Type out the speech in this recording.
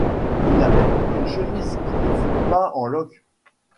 Il n’avait plus qu’une chemise qui ne fût pas en loques.